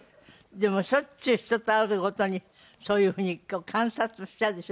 でもしょっちゅう人と会うごとにそういうふうに観察しちゃうでしょ？